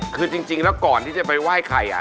คือจริงแล้วก่อนที่จะไปไหว้ใคร